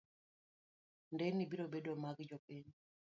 Nderni biro bedo mag jopiny.